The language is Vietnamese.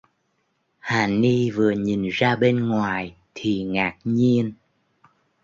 Hà ni vừa nhìn ra bên ngoài thì ngạc nhiên